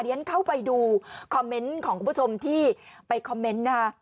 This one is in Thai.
ฉันเข้าไปดูคอมเมนต์ของคุณผู้ชมที่ไปคอมเมนต์นะคะ